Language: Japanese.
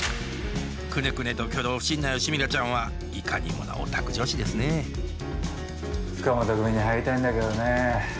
クネクネと挙動不審な吉ミラちゃんはいかにもなオタク女子ですね塚本組に入りたいんだけどねえ。